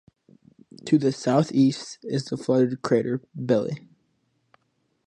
To the southeast is the flooded crater Billy.